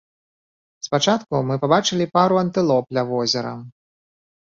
Спачатку мы пабачылі пару антылоп ля возера.